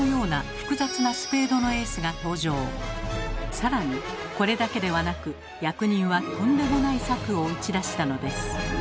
さらにこれだけではなく役人はとんでもない策を打ち出したのです。